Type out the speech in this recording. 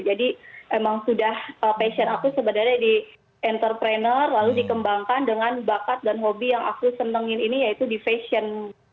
jadi emang sudah passion aku sebenarnya di entrepreneur lalu dikembangkan dengan bakat dan hobi yang aku senangin ini yaitu di fashion